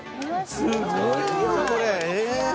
すごいよこれ！